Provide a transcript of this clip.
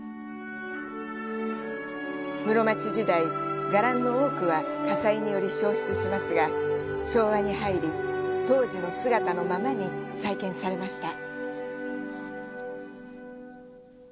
室町時代、伽藍の多くは火災により焼失しますが、昭和に入り、当時の姿のままに再建されました。